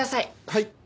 はい。